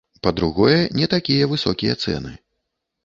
Па-другое, не такія высокія цэны.